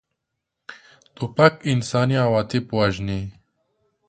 توپک انساني عواطف وژني.